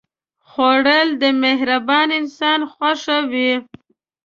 خوړل د مهربان انسان خوښه وي